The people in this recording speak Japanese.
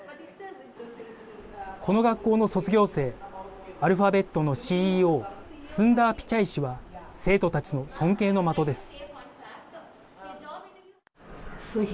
この学校の卒業生アルファベットのＣＥＯスンダー・ピチャイ氏は生徒たちの尊敬の的です。